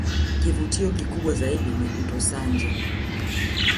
Kivutio kikubwa zaidi ni Mto Sanje